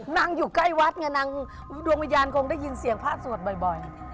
นั่งอยู่ใกล้วัดไงนางดวงวิญญาณคงได้ยินเสียงพระสวดบ่อย